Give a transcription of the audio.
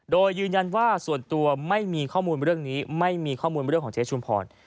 โดยยืนยันว่าส่วนตัวไม่มีข้อมูลเรื่องนี้ไม่มีข้อมูลเรื่องของเจ๊ชุมพร